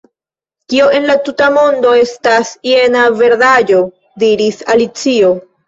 "Kio en la tuta mondo estas jena verdaĵo?" diris Alicio.